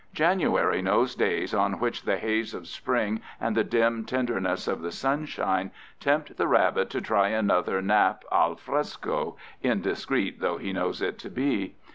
January knows days on which the haze of spring and the dim tenderness of the sunshine tempt the rabbit to try another nap al fresco, indiscreet though he knows it to be.